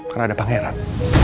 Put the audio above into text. karena ada pangeran